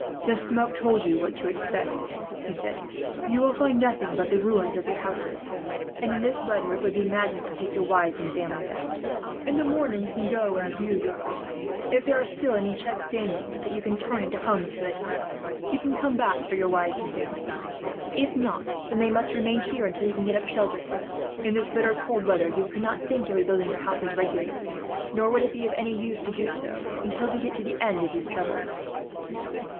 "The smoke told you what to expect," he said. "You will find nothing but the ruins of your houses and, in this weather, it would be madness to take your wives and families out. In the morning you can go and view your homes. If there are still any sheds standing, that you can turn into houses for the time, you can come back for your wives and families. If not, they must remain here till you can get up shelter for them. In this bitter cold weather, you could not think of rebuilding your houses regularly; nor would it be any use to do so, until we get to the end of these troubles.